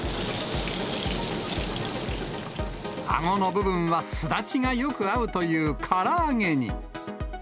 あごの部分はすだちがよく合うというから揚げに。